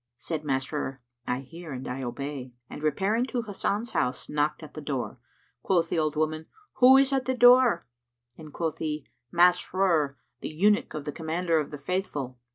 Said Masrur, "I hear and I obey," and repairing to Hasan's house, knocked at the door. Quoth the old woman, "Who is at the door?" and quoth he, "Masrur, the eunuch of the Commander of the Faithful."